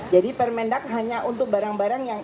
jadi permendag hanya untuk barang barang yang